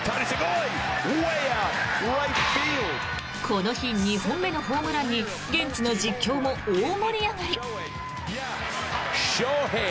この日、２本目のホームランに現地の実況も大盛り上がり。